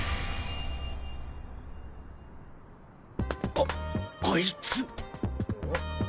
ああいつ！